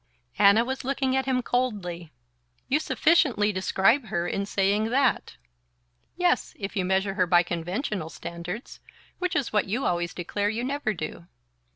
Anna was looking at him coldly. "You sufficiently describe her in saying that!" "Yes, if you measure her by conventional standards which is what you always declare you never do."